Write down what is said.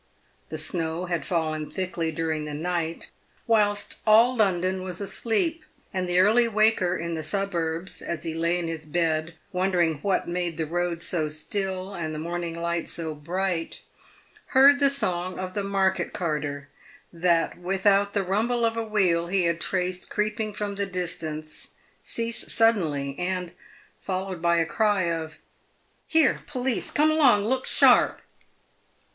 The snow had fallen thickly during the night, whilst all London was asleep, and the early waker in the suburbs, as he lay in his bed wondering what made the road so still and the morning light so bright, heard the song of the market carter, that without the rumble of a wheel he had traced creeping from the distance, cease suddenly, and followed by a cry of " Here, police ! come along, look sharp